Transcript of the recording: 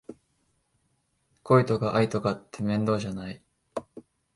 恋とか愛とかって面倒じゃない？